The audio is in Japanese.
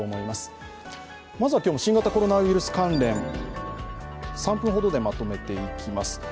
まずは今日の新型コロナウイルス関連、３分ほどでまとめていきます。